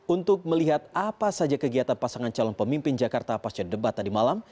untuk melihat apa saja kegiatan pasangan calon pemimpin jakarta pasca debat tadi malam